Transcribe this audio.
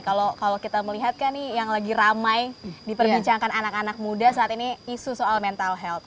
kalau kita melihat kan nih yang lagi ramai diperbincangkan anak anak muda saat ini isu soal mental health